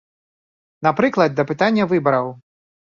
Напрыклад, да пытання выбараў.